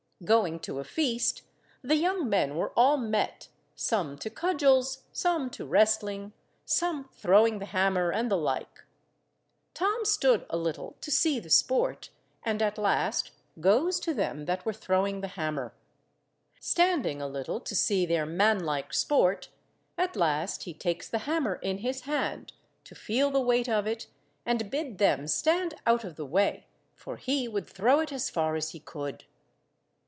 Going to a feast, the young men were all met, some to cudgels, some to wrestling, some throwing the hammer, and the like. Tom stood a little to see the sport, and at last goes to them that were throwing the hammer. Standing a little to see their manlike sport, at last he takes the hammer in his hand, to feel the weight of it, and bid them stand out of the way, for he would throw it as far as he could.